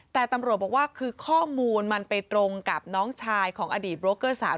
แต่ตำรวจบอกว่าคือข้อมูลมันไปตรงกับน้องชายของอดีตโรคเกอร์สาว